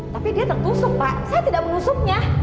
tapi dia tertusuk pak saya tidak menusuknya